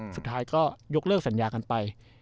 สุดท้ายก็ยกเลิกสัญญากันไป